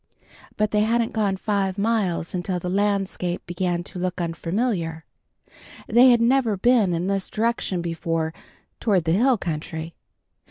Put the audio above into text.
But they hadn't gone five miles until the landscape began to look unfamiliar. They had never been in this direction before, toward the hill country.